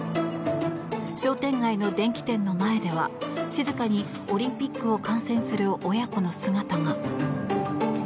商店街の電気店の前では静かにオリンピックを観戦する親子の姿が。